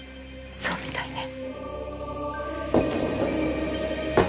そうみたいね。